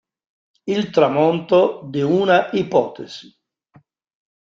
Il tramonto di una ipotesi".